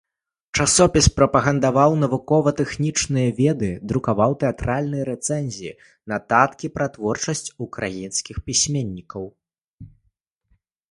Часопіс прапагандаваў навукова-тэхнічныя веды, друкаваў тэатральныя рэцэнзіі, нататкі пра творчасць украінскіх пісьменнікаў.